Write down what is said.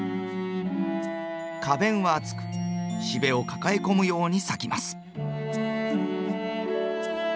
花弁は厚くしべを抱え込むように咲きます。